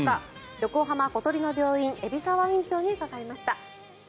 横浜小鳥の病院海老沢院長に伺いました。